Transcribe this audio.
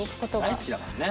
大好きだからね。